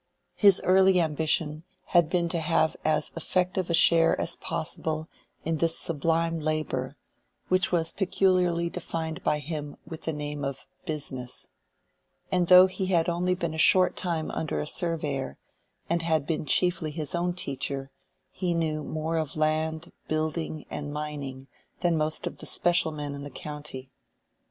His early ambition had been to have as effective a share as possible in this sublime labor, which was peculiarly dignified by him with the name of "business;" and though he had only been a short time under a surveyor, and had been chiefly his own teacher, he knew more of land, building, and mining than most of the special men in the county.